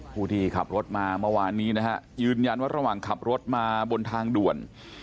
ผู้ที่ขับรถมาเมื่อวานนี้นะฮะยืนยันว่าระหว่างขับรถมาบนทางด่วน